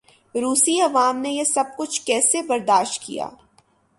روسی عوام نے یہ سب کچھ کیسے برداشت کیا؟